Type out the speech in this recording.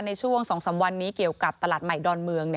ในช่วง๒๓วันนี้เกี่ยวกับตลาดใหม่ดอนเมือง